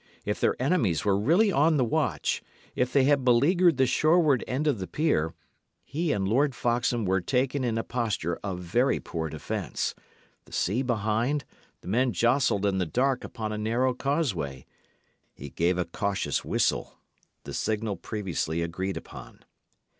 If their enemies were really on the watch, if they had beleaguered the shoreward end of the pier, he and Lord Foxham were taken in a posture of very poor defence, the sea behind, the men jostled in the dark upon a narrow causeway. He gave a cautious whistle, the signal previously agreed upon.